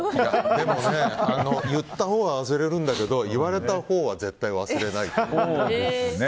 でも言ったほうは忘れるんだけど言われたほうは絶対に忘れないからね。